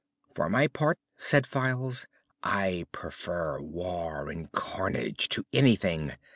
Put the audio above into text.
"For my part," said Files, "I prefer war and carnage to anything.